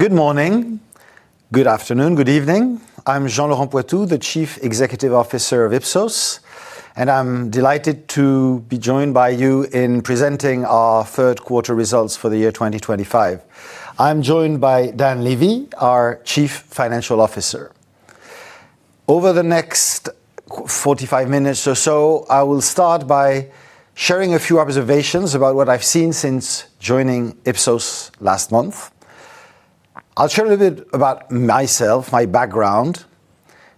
Good morning. Good afternoon. Good evening. I'm Jean Laurent Poitou, the Chief Executive Officer of Ipsos, and I'm delighted to be joined by you in presenting our third quarter results for the year 2025. I'm joined by Dan Levy, our Chief Financial Officer. Over the next 45 minutes or so, I will start by sharing a few observations about what I've seen since joining Ipsos last month. I'll share a little bit about myself, my background,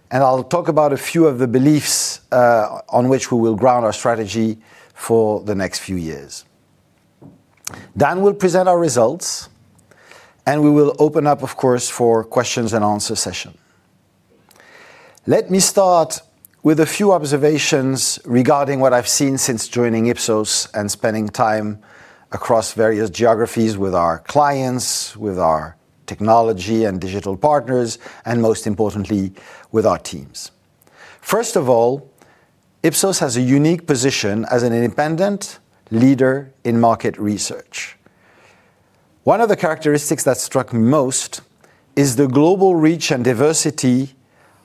and I'll talk about a few of the beliefs on which we will ground our strategy for the next few years. We will present our results, and we will open up, of course, for a questions and answer session. Let me start with a few observations regarding what I've seen since joining Ipsos and spending time across various geographies with our clients, with our technology and digital partners, and most importantly, with our teams. First of all, Ipsos has a unique position as an independent leader in market research. One of the characteristics that struck me most is the global reach and diversity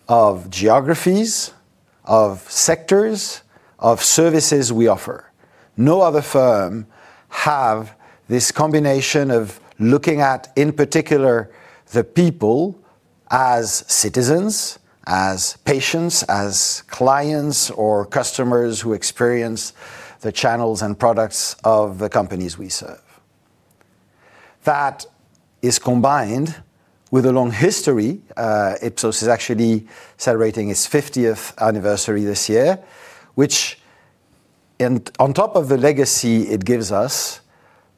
of geographies, of sectors, of services we offer. No other firm has this combination of looking at, in particular, the people as citizens, as patients, as clients or customers who experience the channels and products of the companies we serve. That is combined with a long history. Ipsos is actually celebrating its 50th anniversary this year, which, on top of the legacy it gives us,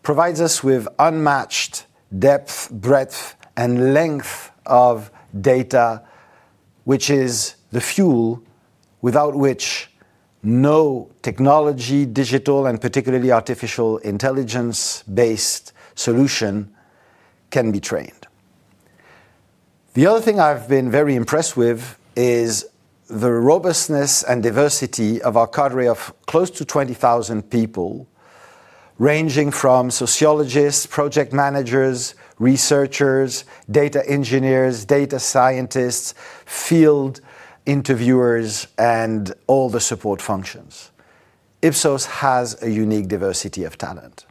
provides us with unmatched depth, breadth, and length of data, which is the fuel without which no technology, digital, and particularly artificial intelligence-based solution can be trained. The other thing I've been very impressed with is the robustness and diversity of our cadre of close to 20,000 people, ranging from sociologists, project managers, researchers, data engineers, data scientists, field interviewers, and all the support functions. Ipsos has a unique diversity of talent.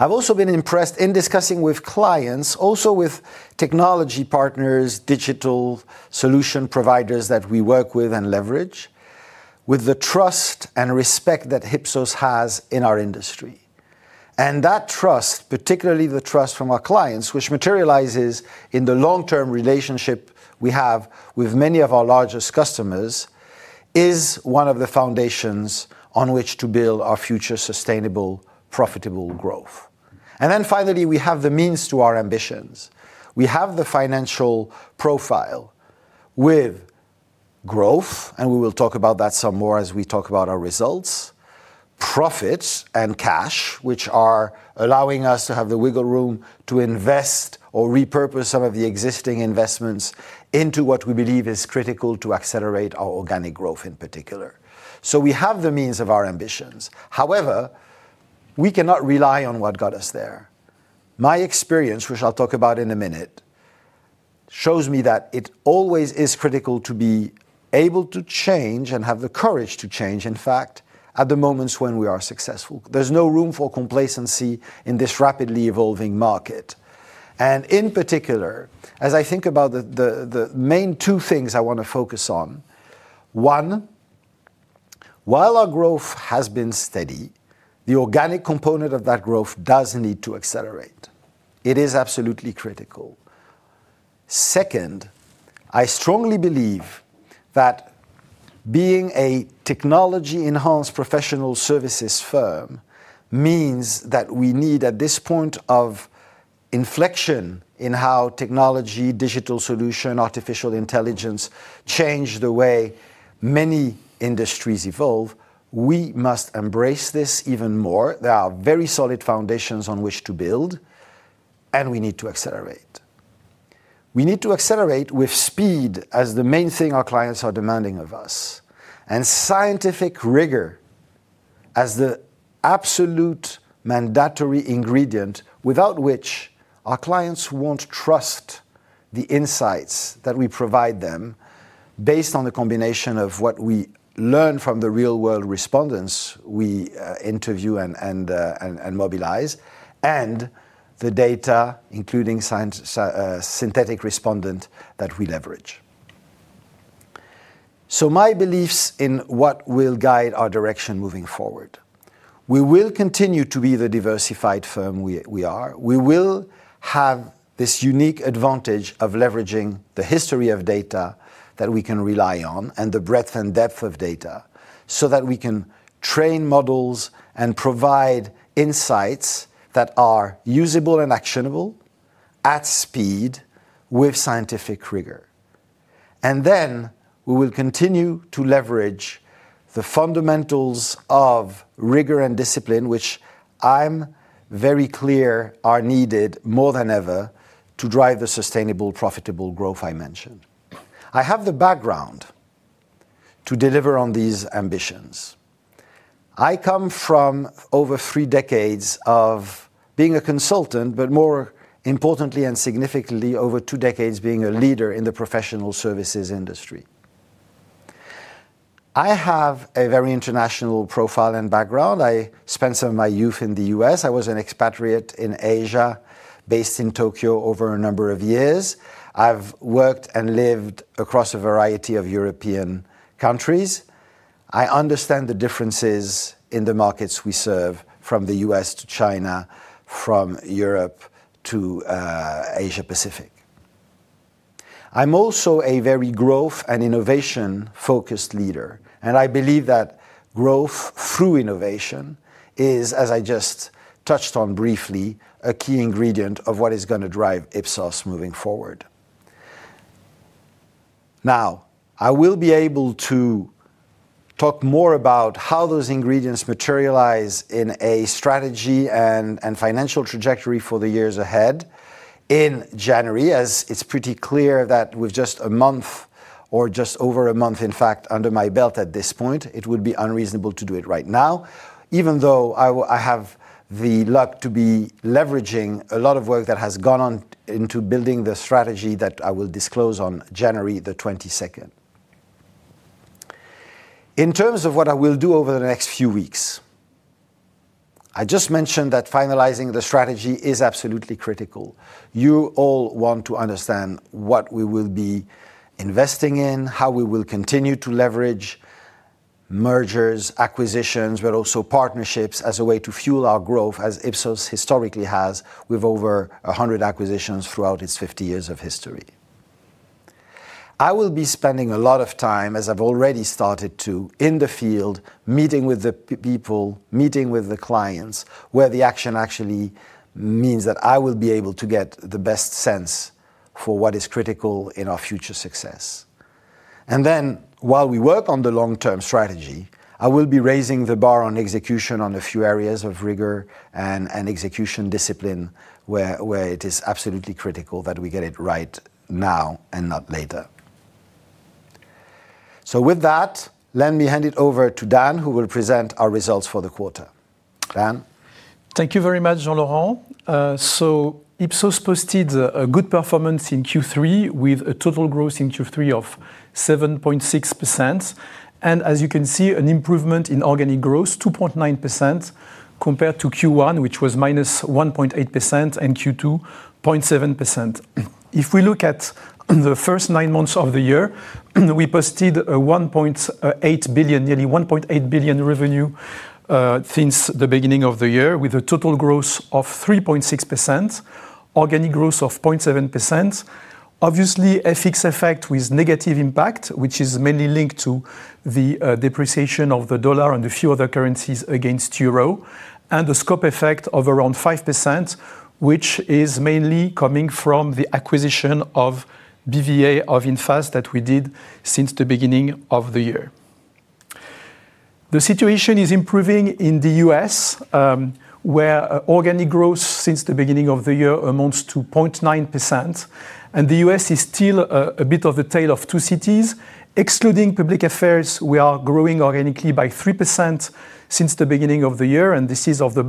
I've also been impressed in discussing with clients, also with technology partners, digital solution providers that we work with and leverage, with the trust and respect that Ipsos has in our industry. That trust, particularly the trust from our clients, which materializes in the long-term relationship we have with many of our largest customers, is one of the foundations on which to build our future sustainable, profitable growth. Finally, we have the means to our ambitions. We have the financial profile with growth, and we will talk about that some more as we talk about our results, profits, and cash, which are allowing us to have the wiggle room to invest or repurpose some of the existing investments into what we believe is critical to accelerate our organic growth in particular. We have the means of our ambitions. However, we cannot rely on what got us there. My experience, which I'll talk about in a minute, shows me that it always is critical to be able to change and have the courage to change, in fact, at the moments when we are successful. There is no room for complacency in this rapidly evolving market. In particular, as I think about the main two things I want to focus on, one, while our growth has been steady, the organic component of that growth does need to accelerate. It is absolutely critical. Second, I strongly believe that being a technology-enhanced professional services firm means that we need, at this point of inflection in how technology, digital solution, artificial intelligence change the way many industries evolve. We must embrace this even more. There are very solid foundations on which to build, and we need to accelerate. We need to accelerate with speed as the main thing our clients are demanding of us, and scientific rigor as the absolute mandatory ingredient without which our clients won't trust the insights that we provide them based on the combination of what we learn from the real-world respondents we interview and mobilize, and the data, including synthetic respondents that we leverage. My beliefs in what will guide our direction moving forward. We will continue to be the diversified firm we are. We will have this unique advantage of leveraging the history of data that we can rely on and the breadth and depth of data so that we can train models and provide insights that are usable and actionable at speed with scientific rigor. We will continue to leverage the fundamentals of rigor and discipline, which I'm very clear are needed more than ever to drive the sustainable, profitable growth I mentioned. I have the background to deliver on these ambitions. I come from over three decades of being a consultant, but more importantly and significantly, over two decades being a leader in the professional services industry. I have a very international profile and background. I spent some of my youth in the U.S. I was an expatriate in Asia, based in Tokyo over a number of years. I've worked and lived across a variety of European countries. I understand the differences in the markets we serve, from the U.S. to China, from Europe to Asia Pacific. I'm also a very growth and innovation-focused leader, and I believe that growth through innovation is, as I just touched on briefly, a key ingredient of what is going to drive Ipsos moving forward. I will be able to talk more about how those ingredients materialize in a strategy and financial trajectory for the years ahead in January, as it's pretty clear that with just a month or just over a month, in fact, under my belt at this point, it would be unreasonable to do it right now, even though I have the luck to be leveraging a lot of work that has gone on into building the strategy that I will disclose on January 22nd. In terms of what I will do over the next few weeks, I just mentioned that finalizing the strategy is absolutely critical. You all want to understand what we will be investing in, how we will continue to leverage mergers, acquisitions, but also partnerships as a way to fuel our growth, as Ipsos historically has with over 100 acquisitions throughout its 50 years of history. I will be spending a lot of time, as I've already started to, in the field, meeting with the people, meeting with the clients, where the action actually means that I will be able to get the best sense for what is critical in our future success. While we work on the long-term strategy, I will be raising the bar on execution on a few areas of rigor and execution discipline where it is absolutely critical that we get it right now and not later. With that, let me hand it over to Dan, who will present our results for the quarter. Dan? Thank you very much, Jean-Laurent. Ipsos posted a good performance in Q3 with a total growth in Q3 of 7.6%. As you can see, an improvement in organic growth, 2.9% compared to Q1, which was -1.8%, and Q2, 0.7%. If we look at the first nine months of the year, we posted nearly 1.8 billion revenue since the beginning of the year, with a total growth of 3.6%, organic growth of 0.7%. Obviously, a fixed effect with negative impact, which is mainly linked to the depreciation of the dollar and a few other currencies against the euro, and a scope effect of around 5%, which is mainly coming from the acquisition of BVA and infas that we did since the beginning of the year. The situation is improving in the U.S., where organic growth since the beginning of the year amounts to 0.9%. The U.S. is still a bit of the tale of two cities. Excluding public affairs, we are growing organically by 3% since the beginning of the year, and this is on the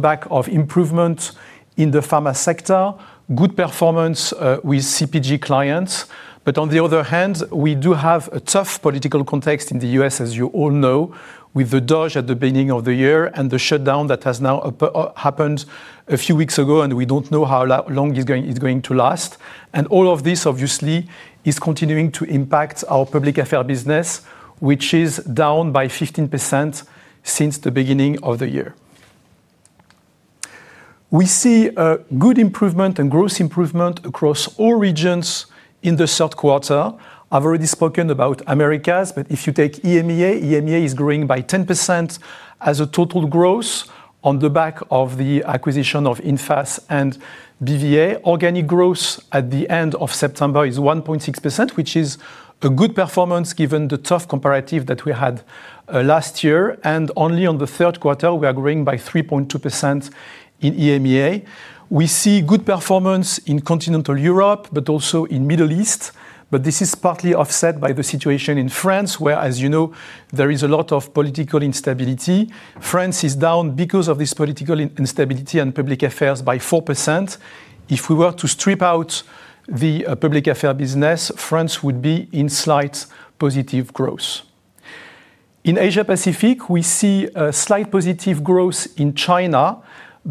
back of improvement in the healthcare sector, good performance with CPG clients. On the other hand, we do have a tough political context in the U.S., as you all know, with the [DOGE] at the beginning of the year and the shutdown that has now happened a few weeks ago, and we don't know how long it's going to last. All of this, obviously, is continuing to impact our public affairs segment, which is down by 15% since the beginning of the year. We see good improvement and growth improvement across all regions in the third quarter. I've already spoken about Americas, but if you take EMEA, EMEA is growing by 10% as a total growth on the back of the acquisition of infas and BVA. Organic growth at the end of September is 1.6%, which is a good performance given the tough comparative that we had last year. Only in the third quarter, we are growing by 3.2% in EMEA. We see good performance in continental Europe, but also in the Middle East. This is partly offset by the situation in France, where, as you know, there is a lot of political instability. France is down because of this political instability and public affairs by 4%. If we were to strip out the public affairs segment, France would be in slight positive growth. In Asia Pacific, we see a slight positive growth in China.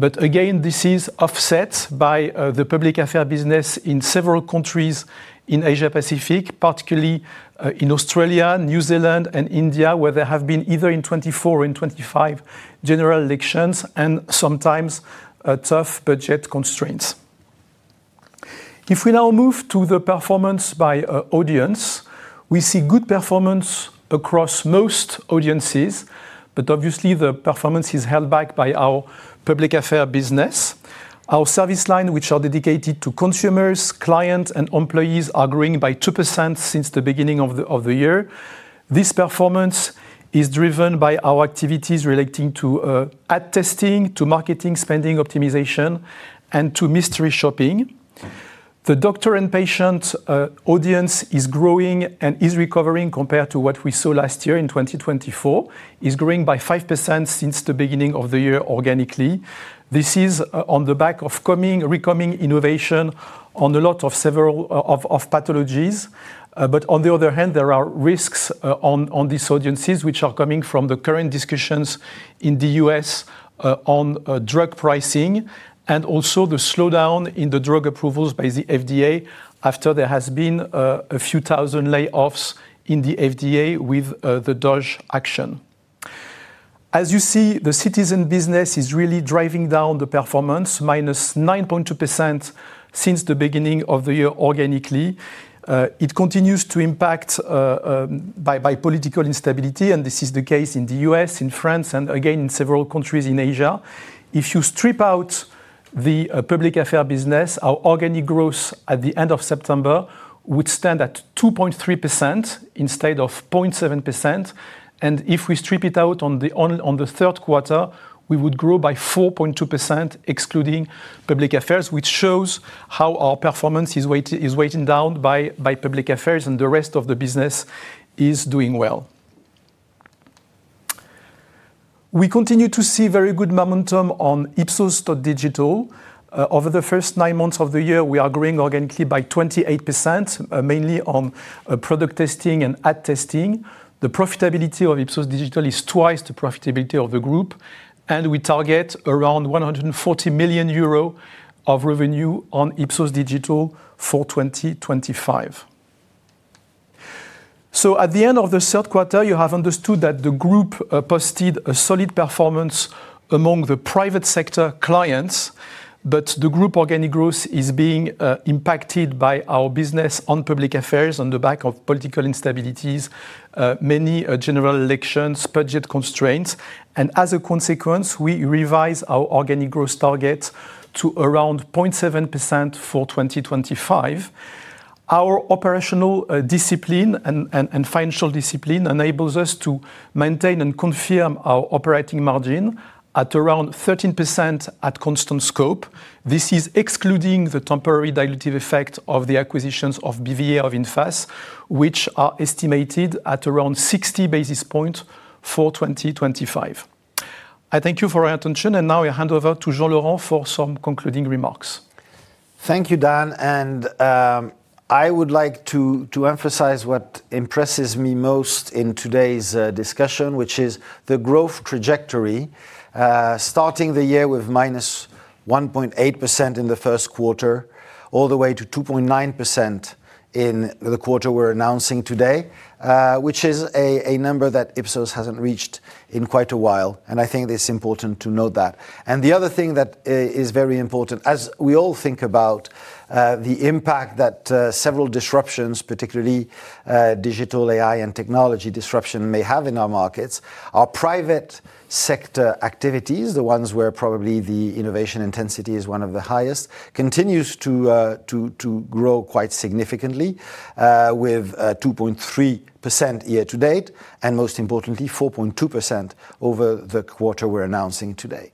Again, this is offset by the public affairs business in several countries in Asia Pacific, particularly in Australia, New Zealand, and India, where there have been either in 2024 or in 2025 general elections and sometimes tough budget constraints. If we now move to the performance by audience, we see good performance across most audiences, but obviously, the performance is held back by our public affairs business. Our service lines, which are dedicated to consumers, clients, and employees, are growing by 2% since the beginning of the year. This performance is driven by our activities relating to ad testing, to marketing optimization, and to mystery shopping. The doctor and patient audience is growing and is recovering compared to what we saw last year in 2024. It's growing by 5% since the beginning of the year organically. This is on the back of coming, recoming innovation on a lot of several pathologies. On the other hand, there are risks on these audiences, which are coming from the current discussions in the U.S. on drug pricing and also the slowdown in the drug approvals by the FDA after there have been a few thousand layoffs in the FDA with the DOGE action. As you see, the citizen business is really driving down the performance, -9.2% since the beginning of the year organically. It continues to be impacted by political instability, and this is the case in the U.S., in France, and again in several countries in Asia. If you strip out the public affairs business, our organic growth at the end of September would stand at 2.3% instead of 0.7%. If we strip it out in the third quarter, we would grow by 4.2%, excluding public affairs, which shows how our performance is weighted down by public affairs, and the rest of the business is doing well. We continue to see very good momentum on Ipsos.digital. Over the first nine months of the year, we are growing organically by 28%, mainly on product testing and ad testing. The profitability of Ipsos.digital is twice the profitability of the group, and we target around 140 million euro of revenue on Ipsos.digital for 2025. At the end of the third quarter, you have understood that the group posted a solid performance among the private sector clients, but the group organic growth is being impacted by our business on public affairs on the back of political instabilities, many general elections, and budget constraints. As a consequence, we revise our organic growth target to around 0.7% for 2025. Our operational discipline and financial discipline enable us to maintain and confirm our operating margin at around 13% at constant scope. This is excluding the temporary dilutive effect of the acquisitions of BVA and infas, which are estimated at around 60 basis points for 2025. I thank you for your attention, and now I hand over to Jean Laurent for some concluding remarks. Thank you, Dan. I would like to emphasize what impresses me most in today's discussion, which is the growth trajectory, starting the year with -1.8% in the first quarter, all the way to 2.9% in the quarter we're announcing today, which is a number that Ipsos hasn't reached in quite a while. I think it's important to note that. The other thing that is very important, as we all think about the impact that several disruptions, particularly digital AI and technology disruption, may have in our markets, our private sector activities, the ones where probably the innovation intensity is one of the highest, continue to grow quite significantly, with 2.3% year to date, and most importantly, 4.2% over the quarter we're announcing today.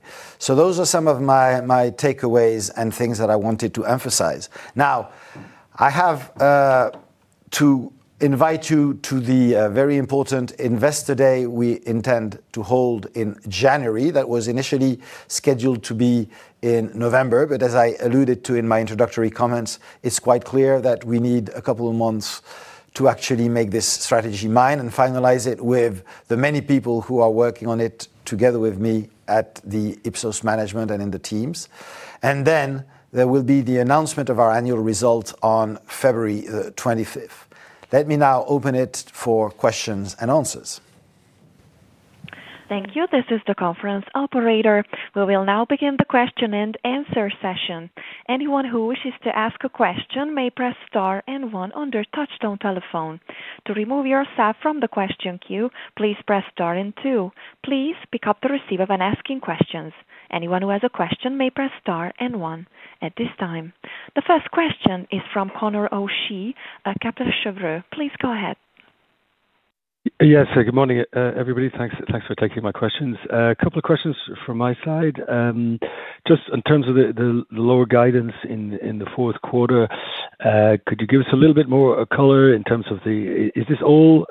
Those are some of my takeaways and things that I wanted to emphasize. I have to invite you to the very important Investor Day we intend to hold in January. That was initially scheduled to be in November, but as I alluded to in my introductory comments, it's quite clear that we need a couple of months to actually make this strategy mine and finalize it with the many people who are working on it together with me at the Ipsos management and in the teams. There will be the announcement of our annual results on February 25th. Let me now open it for questions and answers. Thank you. This is the conference operator. We will now begin the question and answer session. Anyone who wishes to ask a question may press star and one on your touch-tone telephone. To remove yourself from the question queue, please press star and two. Please pick up the receiver when asking questions. Anyone who has a question may press star and one at this time. The first question is from Conor O'Shea at Kepler Cheuvreux. Please go ahead. Yes. Good morning, everybody. Thanks for taking my questions. A couple of questions from my side. Just in terms of the lower guidance in the fourth quarter, could you give us a little bit more color in terms of is this all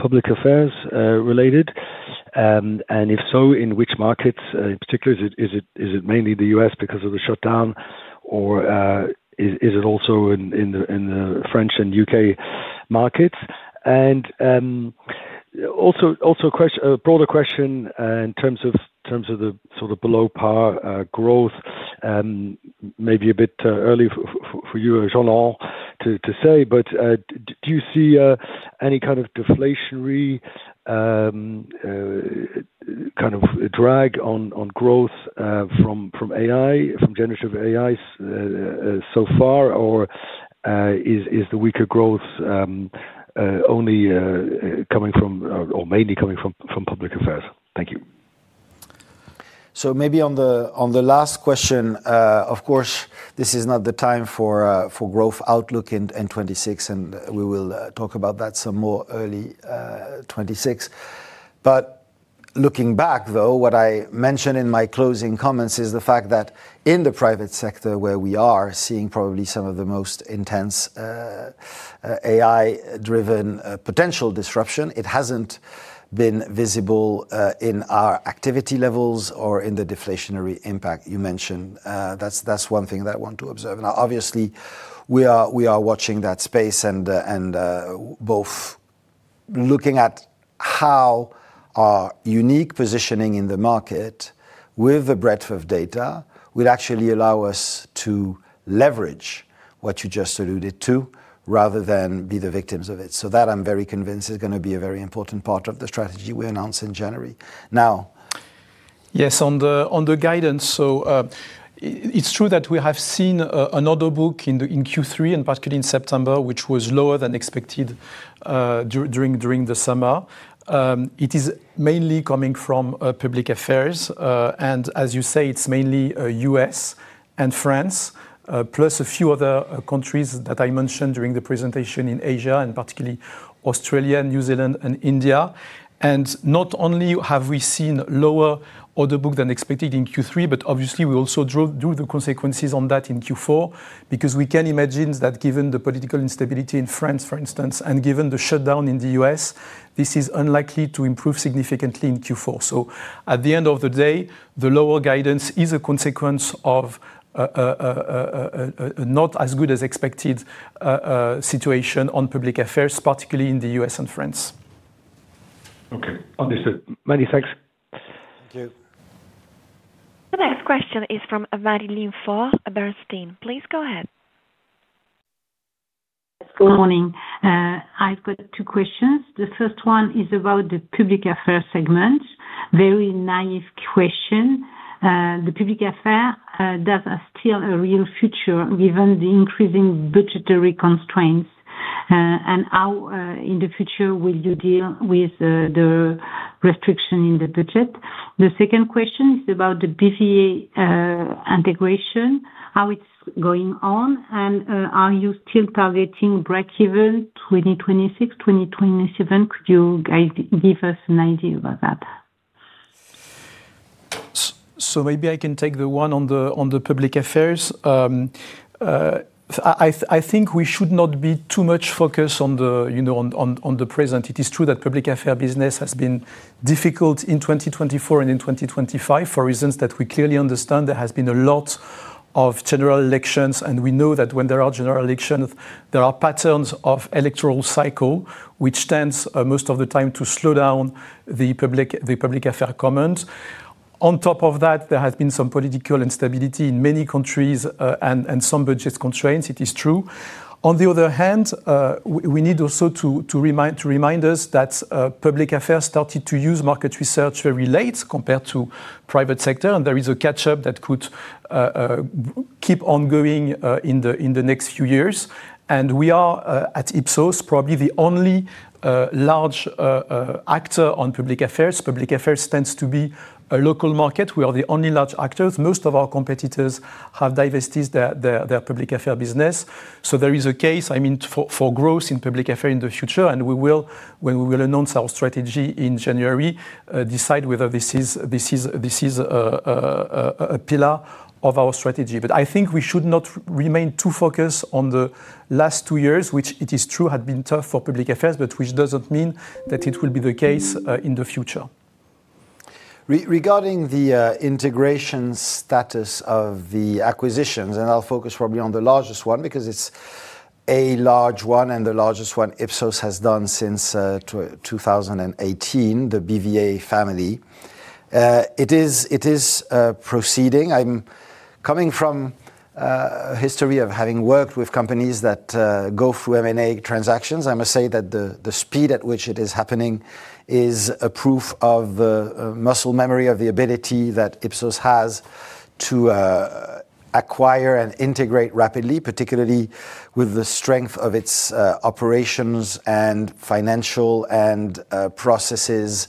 public affairs related? If so, in which markets in particular? Is it mainly the U.S. because of the shutdown, or is it also in the France and U.K. markets? Also, a broader question in terms of the sort of below-par growth, maybe a bit early for you, Jean Laurent, to say, but do you see any kind of deflationary kind of drag on growth from AI, from generative AI so far, or is the weaker growth only coming from or mainly coming from public affairs? Thank you. Maybe on the last question, of course, this is not the time for growth outlook in 2026, and we will talk about that some more early 2026. Looking back, though, what I mentioned in my closing comments is the fact that in the private sector where we are seeing probably some of the most intense AI-driven potential disruption, it hasn't been visible in our activity levels or in the deflationary impact you mentioned. That's one thing that I want to observe. Obviously, we are watching that space and both looking at how our unique positioning in the market with a breadth of data would actually allow us to leverage what you just alluded to rather than be the victims of it. That, I'm very convinced, is going to be a very important part of the strategy we announce in January. Yes, on the guidance, it's true that we have seen an order book in Q3, particularly in September, which was lower than expected during the summer. It is mainly coming from public affairs, and as you say, it's mainly U.S. and France, plus a few other countries that I mentioned during the presentation in Asia, particularly Australia, New Zealand, and India. Not only have we seen a lower order book than expected in Q3, but obviously, we also drew the consequences on that in Q4 because we can imagine that given the political instability in France, for instance, and given the shutdown in the U.S., this is unlikely to improve significantly in Q4. At the end of the day, the lower guidance is a consequence of a not as good as expected situation on public affairs, particularly in the U.S. and France. Okay, understood. Many thanks. Thank you. The next question is from [Marilyne Faure], Bernstein. Please go ahead. Good morning. I've got two questions. The first one is about the public affairs segment. Very naive question. The public affairs does still have a real future given the increasing budgetary constraints. How in the future will you deal with the restriction in the budget? The second question is about the BVA integration, how it's going on, and are you still targeting breakeven 2026-2027? Could you give us an idea about that? Maybe I can take the one on the public affairs. I think we should not be too much focused on the present. It is true that public affairs business has been difficult in 2024 and in 2025 for reasons that we clearly understand. There has been a lot of general elections, and we know that when there are general elections, there are patterns of electoral cycle, which tend most of the time to slow down the public affairs comment. On top of that, there has been some political instability in many countries and some budget constraints, it is true. On the other hand, we need also to remind us that public affairs started to use market research very late compared to the private sector, and there is a catch-up that could keep on going in the next few years. We are at Ipsos probably the only large actor on public affairs. Public affairs tends to be a local market. We are the only large actors. Most of our competitors have divested their public affairs business. There is a case, I mean, for growth in public affairs in the future, and we will, when we will announce our strategy in January, decide whether this is a pillar of our strategy. I think we should not remain too focused on the last two years, which it is true had been tough for public affairs, but which doesn't mean that it will be the case in the future. Regarding the integration status of the acquisitions, I'll focus probably on the largest one because it's a large one and the largest one Ipsos has done since 2018, the BVA family. It is proceeding. I'm coming from a history of having worked with companies that go through M&A transactions. I must say that the speed at which it is happening is a proof of the muscle memory of the ability that Ipsos has to acquire and integrate rapidly, particularly with the strength of its operations and financial processes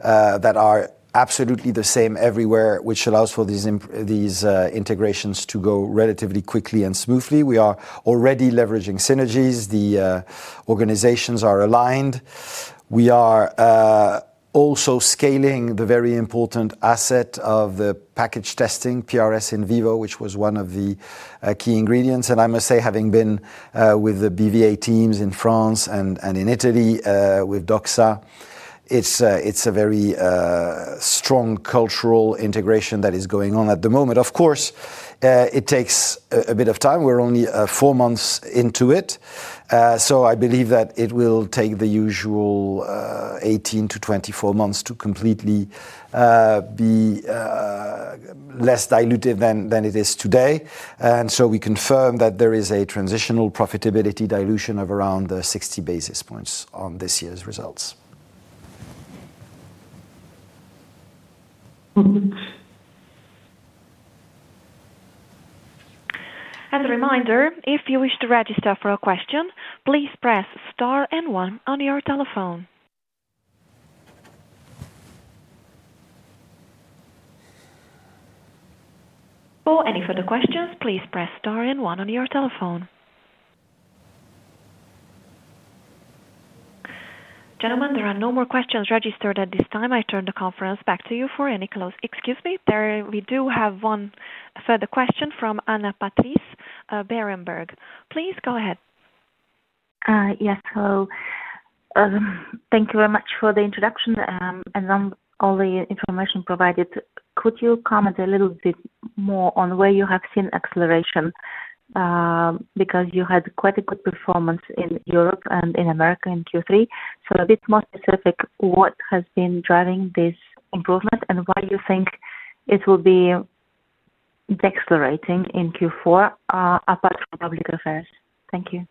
that are absolutely the same everywhere, which allows for these integrations to go relatively quickly and smoothly. We are already leveraging synergies. The organizations are aligned. We are also scaling the very important asset of the pack testing, PRS IN VIVO, which was one of the key ingredients. I must say, having been with the BVA teams in France and in Italy with Doxa, it's a very strong cultural integration that is going on at the moment. Of course, it takes a bit of time. We're only four months into it. I believe that it will take the usual 18-24 months to completely be less diluted than it is today. We confirm that there is a transitional profitability dilution of around 60 basis points on this year's results. As a reminder, if you wish to register for a question, please press star and one on your telephone. For any further questions, please press star and one on your telephone. Gentlemen, there are no more questions registered at this time. I turn the conference back to you for any close. Excuse me, we do have one further question from Anna Patrice at Berenberg. Please go ahead. Yes. Hello. Thank you very much for the introduction and all the information provided. Could you comment a little bit more on where you have seen acceleration? You had quite a good performance in Europe and in America in Q3. A bit more specific, what has been driving this improvement and why do you think it will be decelerating in Q4 apart from public affairs? Thank you.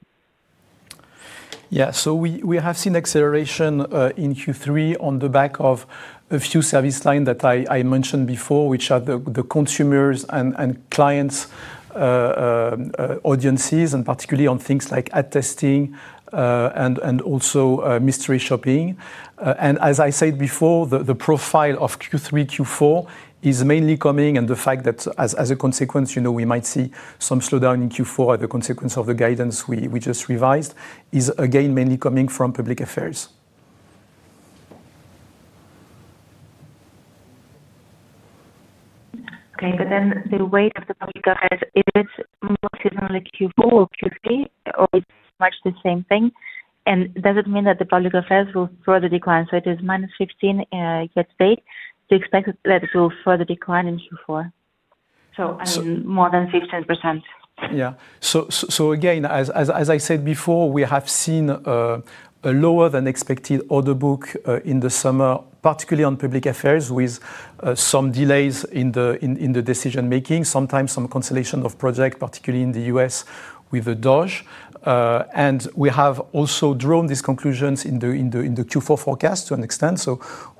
We have seen acceleration in Q3 on the back of a few service lines that I mentioned before, which are the consumers and clients' audiences, particularly on things like ad testing and also mystery shopping. As I said before, the profile of Q3, Q4 is mainly coming, and the fact that as a consequence, you know, we might see some slowdown in Q4 as a consequence of the guidance we just revised is again mainly coming from public affairs. Okay. The weight of the public affairs segment, is it mostly on Q4 or Q3, or is it much the same thing? Does it mean that the public affairs segment will further decline? It is -15%. Do you expect that it will further decline in Q4, meaning more than 15%? Yeah. As I said before, we have seen a lower than expected order book in the summer, particularly on public affairs, with some delays in the decision-making, sometimes some cancellation of projects, particularly in the U.S. with the DOGE. We have also drawn these conclusions in the Q4 forecast to an extent.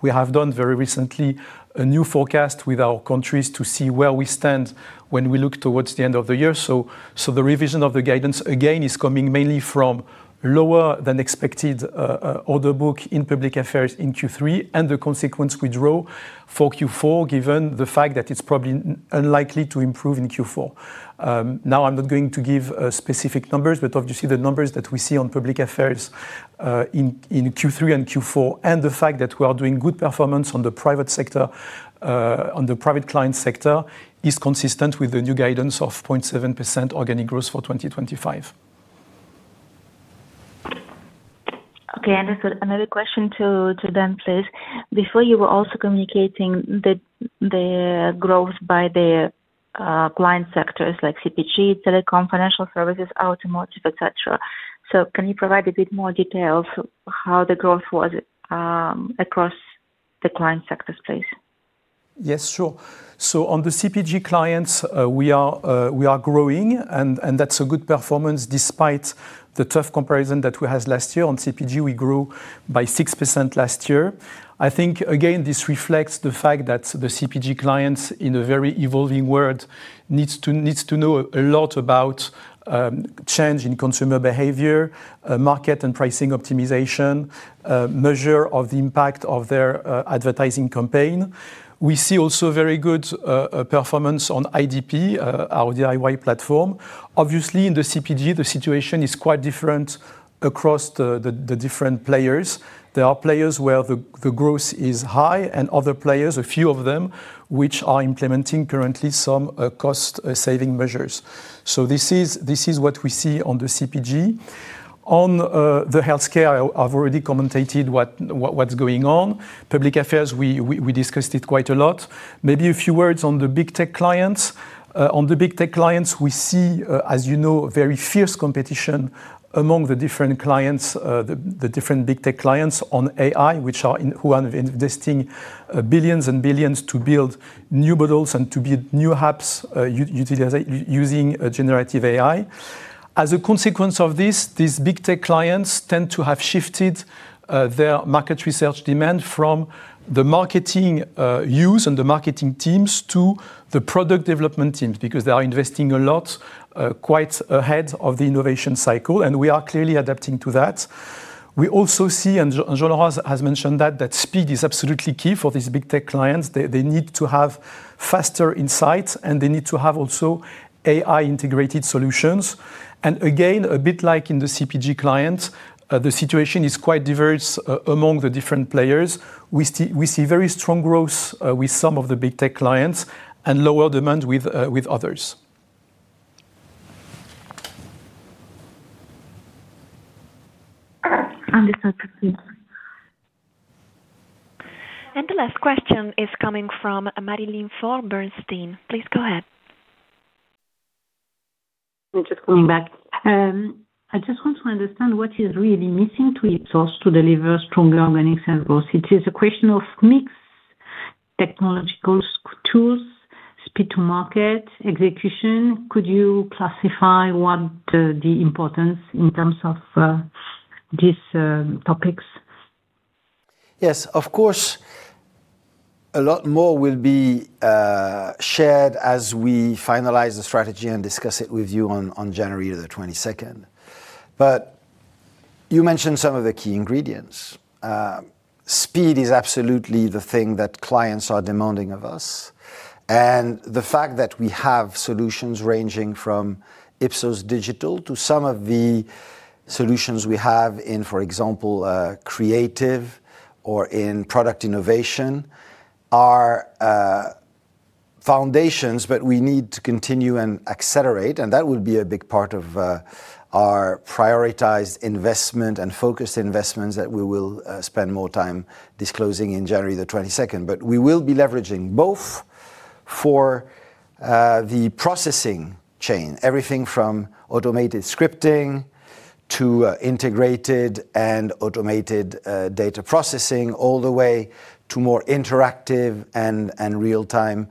We have done very recently a new forecast with our countries to see where we stand when we look towards the end of the year. The revision of the guidance again is coming mainly from lower than expected order book in public affairs in Q3, and the consequence we draw for Q4, given the fact that it's probably unlikely to improve in Q4. I'm not going to give specific numbers, but obviously, the numbers that we see on public affairs in Q3 and Q4, and the fact that we are doing good performance on the private client sector is consistent with the new guidance of 0.7% organic growth for 2025. Okay. Understood. Another question, please. Before, you were also communicating the growth by the client sectors like CPG, telecom, financial services, automotive, etc. Can you provide a bit more details of how the growth was across the client sectors, please? Yes, sure. On the CPG clients, we are growing, and that's a good performance despite the tough comparison that we had last year. On CPG, we grew by 6% last year. I think this reflects the fact that the CPG clients, in a very evolving world, need to know a lot about change in consumer behavior, market and pricing optimization, and measure of the impact of their advertising campaign. We see also very good performance on Ipsos.digital, our DIY platform. In the CPG, the situation is quite different across the different players. There are players where the growth is high and other players, a few of them, which are implementing currently some cost-saving measures. This is what we see on the CPG. On the healthcare, I've already commentated what's going on. Public affairs, we discussed it quite a lot. Maybe a few words on the big tech clients. On the big tech clients, we see, as you know, very fierce competition among the different clients, the different big tech clients on AI, which are investing billions and billions to build new models and to build new apps using generative AI. As a consequence of this, these big tech clients tend to have shifted their market research demand from the marketing use and the marketing teams to the product development teams because they are investing a lot quite ahead of the innovation cycle, and we are clearly adapting to that. We also see, and Jean-Laurent has mentioned that, that speed is absolutely key for these big tech clients. They need to have faster insights, and they need to have also AI-integrated solutions. A bit like in the CPG clients, the situation is quite diverse among the different players. We see very strong growth with some of the big tech clients and lower demand with others. Understood, thanks. The last question is coming from [Marilyne Faure], Bernstein. Please go ahead. I'm just coming back. I just want to understand what is really missing to Ipsos to deliver stronger organic sales growth. Is it a question of mixed technological tools, speed to market, execution? Could you classify what the importance is in terms of these topics? Yes, of course. A lot more will be shared as we finalize the strategy and discuss it with you on January 22nd. You mentioned some of the key ingredients. Speed is absolutely the thing that clients are demanding of us. The fact that we have solutions ranging from Ipsos.digital to some of the solutions we have in, for example, creative or in product innovation are foundations, but we need to continue and accelerate. That will be a big part of our prioritized investment and focused investments that we will spend more time disclosing in January 22nd. We will be leveraging both for the processing chain, everything from automated scripting to integrated and automated data processing, all the way to more interactive and real-time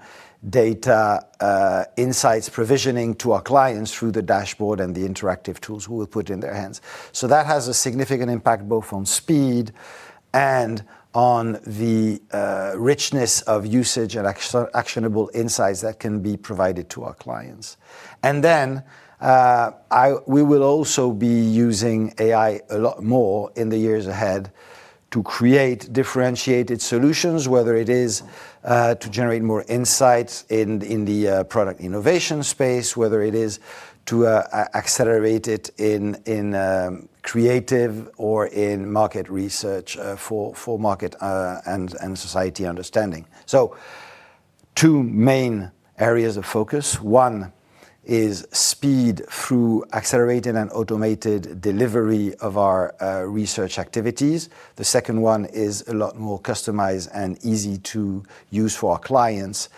data insights provisioning to our clients through the dashboard and the interactive tools we will put in their hands. That has a significant impact both on speed and on the richness of usage and actionable insights that can be provided to our clients. We will also be using AI a lot more in the years ahead to create differentiated solutions, whether it is to generate more insights in the product innovation space, whether it is to accelerate it in creative or in market research for market and society understanding. Two main areas of focus: one is speed through accelerated and automated delivery of our research activities. The second one is a lot more customized and easy to use for our clients,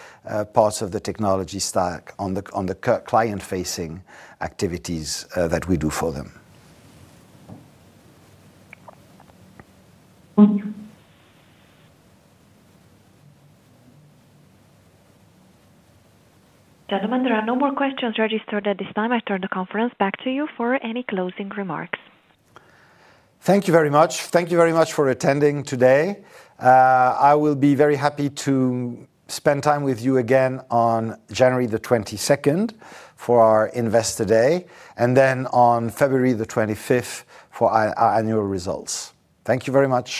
parts of the technology stack on the client-facing activities that we do for them. Gentlemen, there are no more questions registered at this time. I turn the conference back to you for any closing remarks. Thank you very much. Thank you very much for attending today. I will be very happy to spend time with you again on January 22nd for our Investor Day and then on February 25th for our annual results. Thank you very much.